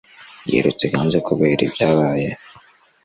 Yirutse hanze kureba ibyabaye.